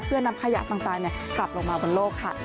เพื่อนำขยะต่างกลับลงมาบนโลกค่ะ